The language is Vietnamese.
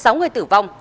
sáu người tử vong